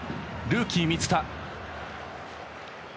ルーキー、満田。